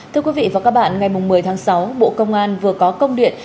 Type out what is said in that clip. thưa quý vị và các bạn ngày một mươi tháng sáu bộ công an vừa có công điện